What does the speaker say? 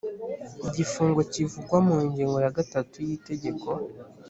igifungo kivugwa mu ngingo ya gatatu y Itegeko